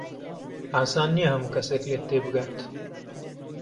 ئاسان نییە هەموو کەسێک لێت تێبگات.